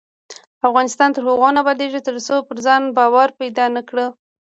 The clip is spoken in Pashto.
افغانستان تر هغو نه ابادیږي، ترڅو پر ځان باور پیدا نکړو.